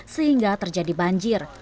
sehingga terjadi banjir